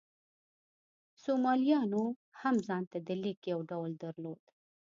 سومالیایانو هم ځان ته د لیک یو ډول درلود.